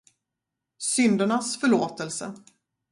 syndernas förlåtelse